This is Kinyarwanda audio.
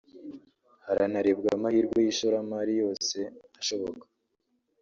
hanarebwa amahirwe y’ishoramari yose ashoboka